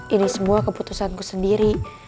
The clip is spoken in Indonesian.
ini semua keputusanku sendiri